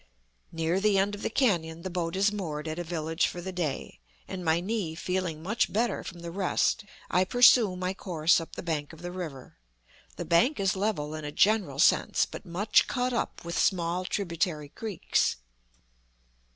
Near the end of the canon the boat is moored at a village for the day, and my knee feeling much better from the rest, I pursue my course up the bank of the river. The bank is level in a general sense, but much cut up with small tributary creeks.